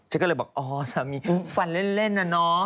ฉันก็เลยบอกอ๋อสามีฟันเล่นน่ะเนอะ